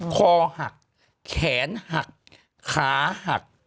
คอหักแขนหักขาหัก